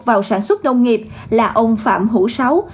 vào sản xuất nông nghiệp là ông phạm hữu sáu